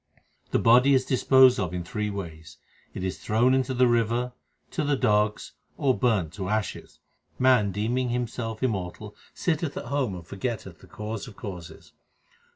The body is disposed of in three ways it is thrown into the river, to the dogs, or burnt to ashes. Man deeming himself immortal sitteth at home and for getteth the Cause of causes.